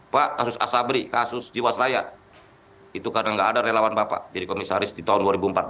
pak kasus asabri kasus jiwasraya itu karena nggak ada relawan bapak jadi komisaris di tahun dua ribu empat belas